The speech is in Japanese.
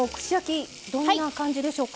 どんな感じでしょうか？